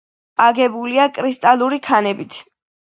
აგებულია კრისტალური ქანებით.